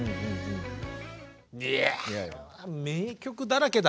いや名曲だらけだ。